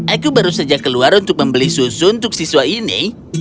aku baru saja keluar untuk membeli susu untuk siswa ini